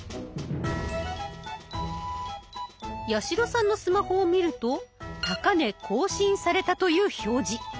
八代さんのスマホを見ると高値更新されたという表示。